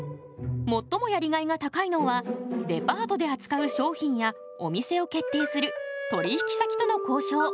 最もやりがいが高いのはデパートであつかう商品やお店を決定する取引先との交渉。